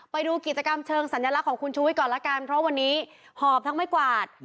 ไปดูกิจกรรมเชิงสัญลักษณ์ของคุณชูวิทย์ก่อนละกันเพราะวันนี้หอบทั้งไม้กวาด